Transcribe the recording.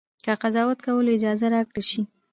که قضاوت کولو اجازه راکړه شي.